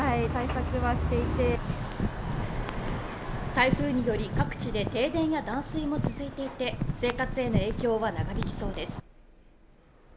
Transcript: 台風により各地で停電や断水も続いていて生活への影響は長引きそうです